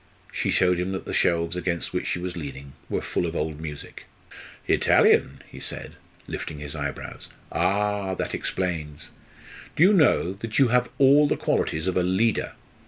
She showed him that the shelves against which she was leaning were full of old music. "Italian!" he said, lifting his eyebrows. "Ah, that explains. Do you know that you have all the qualities of a leader!"